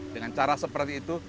dengan cara seperti itu